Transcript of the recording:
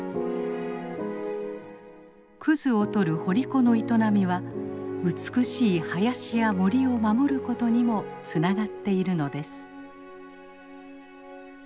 クズを採る掘り子の営みは美しい林や森を守ることにもつながっているのです。